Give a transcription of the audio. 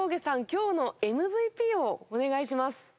今日のＭＶＰをお願いします。